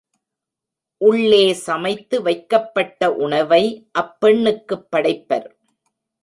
உள்ளே சமைத்து வைக்கப்பட்ட உணவை அப்பெண்ணுக்குப் படைப்பர்.